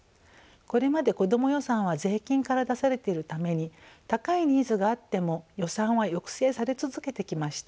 これまで子ども予算は税金から出されているために高いニーズがあっても予算は抑制され続けてきました。